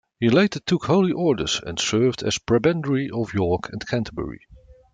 He later took holy orders and served as Prebendary of York and Canterbury.